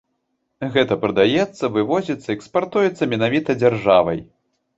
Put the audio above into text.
Гэта прадаецца, вывозіцца, экспартуецца менавіта дзяржавай.